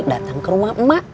datang ke rumah emak